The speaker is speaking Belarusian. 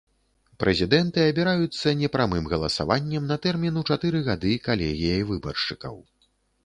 Прэзідэнты абіраюцца непрамым галасаваннем на тэрмін у чатыры гады калегіяй выбаршчыкаў.